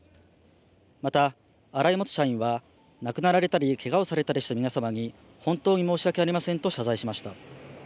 また荒井元社員は亡くなられたりけがをされたりした皆様に本当に申し訳ありませんと謝罪しました。